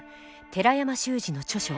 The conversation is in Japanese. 寺山修司の著書